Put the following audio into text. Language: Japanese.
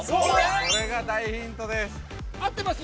◆これが大ヒントです。